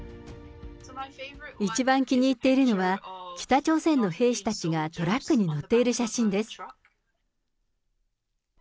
一番気に入っているのは、北朝鮮の兵士たちがトラックに乗っている写真です。